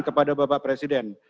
kepada bapak presiden